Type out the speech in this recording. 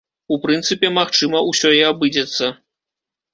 У прынцыпе, магчыма, усё і абыдзецца.